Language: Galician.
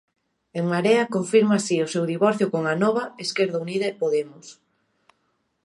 En Marea confirma así o seu divorcio con Anova, Esquerda Unida e Podemos.